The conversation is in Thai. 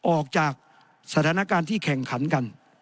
ออกจากสถานการณ์ที่แข่งขันกัน